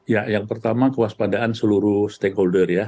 ya yang pertama kewaspadaan seluruh stakeholder ya